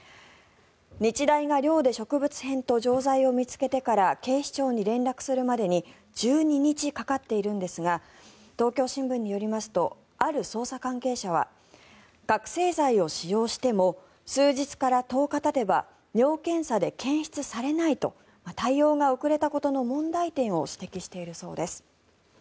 日大が寮で植物片と錠剤を見つけてから警視庁に連絡するまでに１２日かかっているんですが東京新聞によりますとある捜査関係者は覚醒剤を使用しても数日から１０日たてば尿検査で検出されないと対応が遅れたことの問題点を指摘しているそうです。